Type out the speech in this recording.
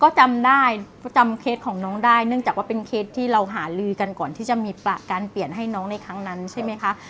ก็จำได้ก็จำเคสของน้องได้เนื่องจากว่าเป็นเคสที่เราหาลือกันก่อนที่จะมีการเปลี่ยนให้น้องในครั้งนั้นใช่ไหมคะ